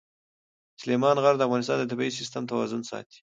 سلیمان غر د افغانستان د طبعي سیسټم توازن ساتي.